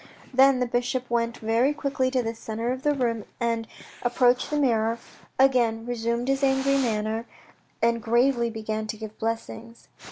" Then the bishop went very quickly to the centre of the room, then approached the mirror, again resumed his angry manner, and gravely began to give blessings.